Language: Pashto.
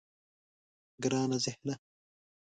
گرانه ذهنه.